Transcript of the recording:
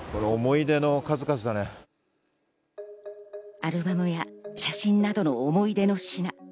アルバムや写真などの思い出の品。